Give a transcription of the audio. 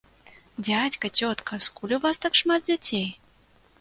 Дзядзька, цётка, скуль у вас так шмат дзяцей?